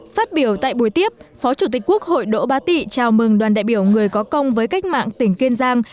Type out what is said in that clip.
phát biểu tại buổi tiếp phó chủ tịch quốc hội đỗ bá tị chào mừng đoàn đại biểu người có công với cách mạng tỉnh kiên giang